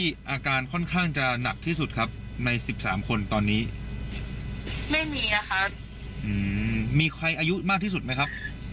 ประสานโรงพยาบาลไปกี่วันแล้วครับ